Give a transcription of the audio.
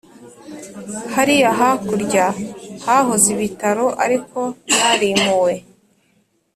Hariya hakurya hahoze ibitaro ariko byarimuwe